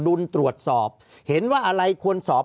ภารกิจสรรค์ภารกิจสรรค์